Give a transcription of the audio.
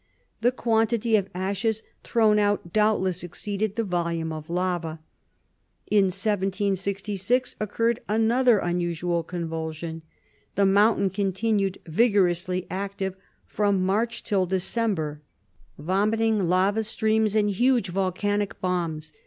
The quantity of ashes thrown out doubtless exceeded the volume of lava. In 1766 occurred another unusual convulsion, the mountain continuing vigorously active from March till December, vomiting lava streams and huge volcanic "bombs."